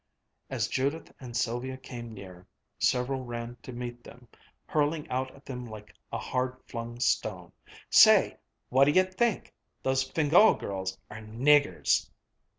As Judith and Sylvia came near, several ran to meet them, hurling out at them like a hard flung stone: "Say what d'ye think? Those Fingál girls are niggers!"